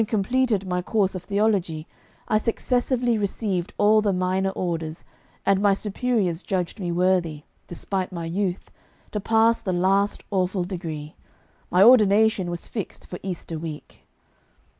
Having completed my course of theology I successively received all the minor orders, and my superiors judged me worthy, despite my youth, to pass the last awful degree. My ordination was fixed for Easter week.